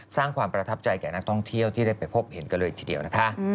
สร้างความประทับใจแก่นักท่องเที่ยวที่ได้ไปพบเห็นกันเลยทีเดียวนะคะ